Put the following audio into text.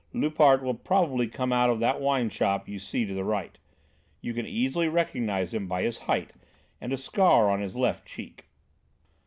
Loupart will probably come out of that wine shop you see to the right. You can easily recognise him by his height and a scar on his left cheek."